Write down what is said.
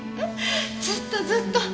ずっとずっと。